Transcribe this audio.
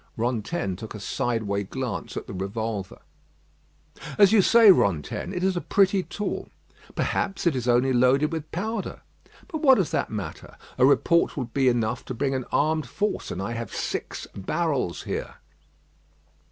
Rantaine took a side way glance at the revolver. "As you say, Rantaine, it is a pretty tool. Perhaps it is only loaded with powder; but what does that matter? A report would be enough to bring an armed force and I have six barrels here."